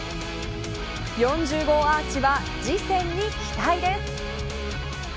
４０号アーチは次戦に期待です。